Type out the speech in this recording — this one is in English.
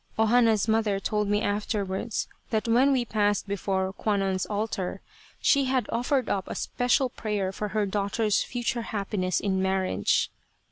O Hana's mother told me afterwards that when we passed before Kwannon's altar, she had offered up a special prayer for her daughter's future happiness in marriage.